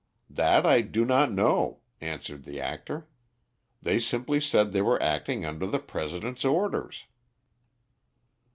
"That I do not know," answered the actor. "They simply said they were acting under the President's orders."